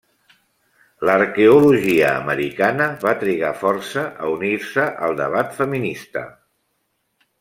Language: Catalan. L'arqueologia americana va trigar força a unir-se al debat feminista.